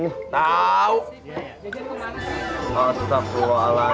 bawa masuk bawa masuk